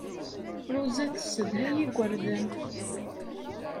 Ṛuza tessedhay igerdan.